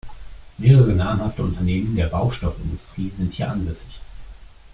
Mehrere namhafte Unternehmen der Baustoffindustrie sind hier ansässig.